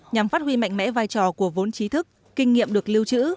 nhằm phát huy mạnh mẽ vai trò của vốn trí thức kinh nghiệm được lưu trữ